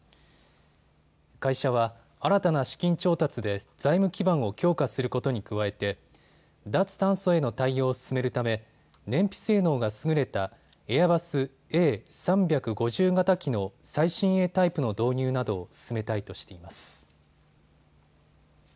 会社は新たな資金調達で財務基盤を強化することに加えて脱炭素への対応を進めるため燃費性能が優れたエアバスＡ３５０型機の最新鋭タイプの導入などを進めたいとしています。